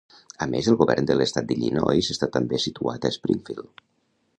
A més, el Govern de l'Estat d'Illinois està també situat a Springfield.